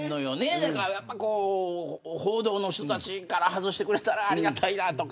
だから、報道の人たちから外してくれたらありがたいなとか。